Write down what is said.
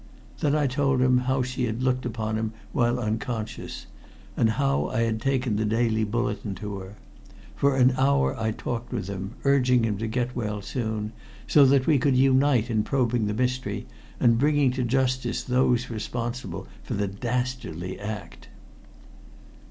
Then I told him how she had looked upon him while unconscious, and how I had taken the daily bulletin to her. For an hour I talked with him, urging him to get well soon, so that we could unite in probing the mystery, and bringing to justice those responsible for the dastardly act.